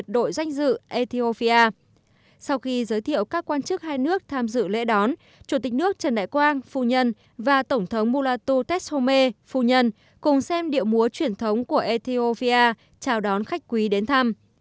chủ tịch nước trần đại quang phu nhân và tổng thống mulatu teshome phu nhân cùng xem điệu múa truyền thống của ethiopia chào đón khách quý đến thăm